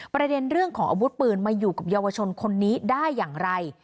ประเด็นเรื่องของอาวุธปืนมาอยู่กับเยาวชนคนนี้ได้อย่างไร